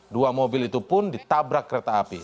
dua mobil itu pun ditabrak kereta api